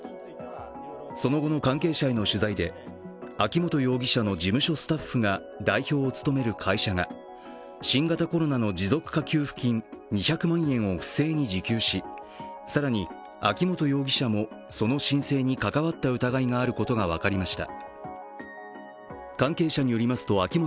その後の関係者への取材で秋本容疑者の事務所スタッフが代表を務める会社が新型コロナの持続化給付金２００万円を不正に受給し更に、秋本容疑者もその申請に関わった疑いがあることが分かりました。